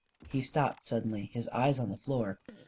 He stopped suddenly, his eyes on the floor.